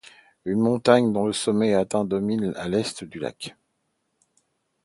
Une montagne dont le sommet atteint domine à à l’Est du lac.